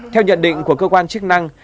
theo nhận định của cơ quan chức năng